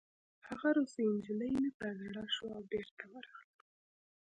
هغه روسۍ نجلۍ مې په زړه شوه او بېرته ورغلم